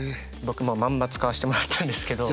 僕もうまんま使わせてもらったんですけど。